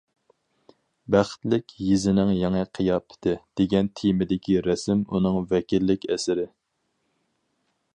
‹‹ بەختلىك يېزىنىڭ يېڭى قىياپىتى›› دېگەن تېمىدىكى رەسىم ئۇنىڭ ۋەكىللىك ئەسىرى.